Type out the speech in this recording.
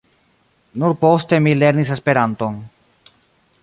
Nur poste mi lernis esperanton.